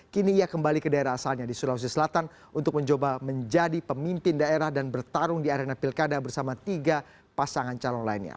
kini ia kembali ke daerah asalnya di sulawesi selatan untuk mencoba menjadi pemimpin daerah dan bertarung di arena pilkada bersama tiga pasangan calon lainnya